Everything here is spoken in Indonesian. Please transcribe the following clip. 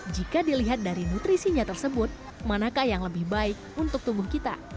jika dilihat dari nutrisinya tersebut manakah yang lebih baik untuk tubuh kita